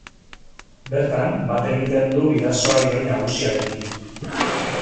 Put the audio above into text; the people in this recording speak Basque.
Bertan, bat egiten du Bidasoa ibai nagusiarekin.